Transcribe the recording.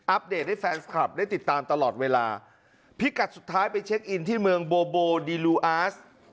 เดตให้แฟนคลับได้ติดตามตลอดเวลาพิกัดสุดท้ายไปเช็คอินที่เมืองโบโบดิลูอาส